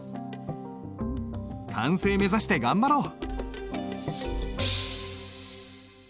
完成目指して頑張ろう！